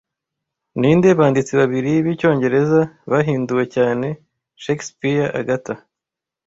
Ninde banditsi babiri b'icyongereza bahinduwe cyane Shakespeare - Agatha